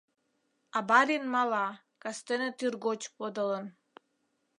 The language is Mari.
А барин мала, кастене тӱргоч подылын.